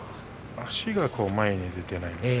足が前に出ていません。